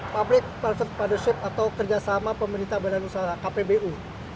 public partner partnership atau kerjasama pemerintah badan usaha kpbu